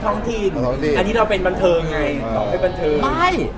แล้วทีมนังนี้เราเป็นบันเทิงไง